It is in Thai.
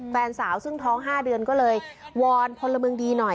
แฟนสาวซึ่งท้อง๕เดือนก็เลยวอนพลเมืองดีหน่อย